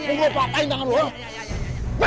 sekarang kapan lu mau bayar utang sama gua